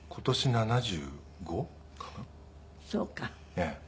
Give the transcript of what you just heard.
ええ。